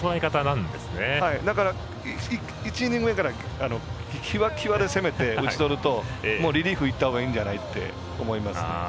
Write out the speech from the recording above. だから１イニング目からきわきわで攻めて打ち取るとリリーフいったほうがいいんじゃないって思います。